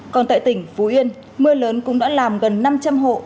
còn tại tỉnh phú yên mưa lớn cũng đã làm gần năm trăm linh hộ